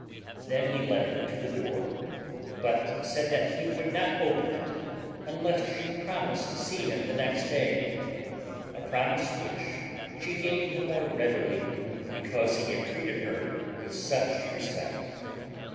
Then he led her to the door, but said that he would not open it unless she promised to see him the next day a promise which she gave the more readily because he had treated her with such respect.